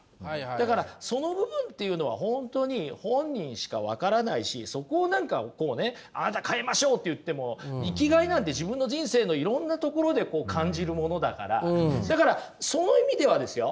だからその部分っていうのは本当に本人しか分からないしそこを何かこうね「あなた変えましょう」って言っても生きがいなんて自分の人生のいろんなところで感じるものだからだからその意味ではですよ